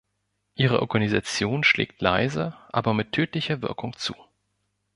Ihre Organisation schlägt leise, aber mit tödlicher Wirkung zu.